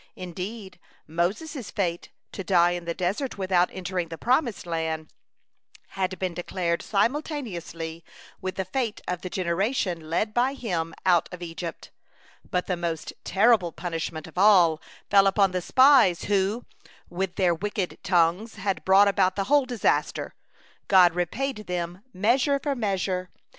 Indeed Moses' fate, to die in the desert without entering the promised land, had been decreed simultaneously with the fate of the generation led by him out of Egypt. But the most terrible punishment of all fell upon the spies who, with their wicked tongues, had brought about the whole disaster. God repaid them measure for measure.